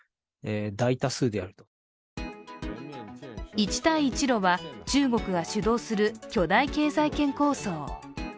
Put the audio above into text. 一帯一路は中国が主導する巨大経済圏構想。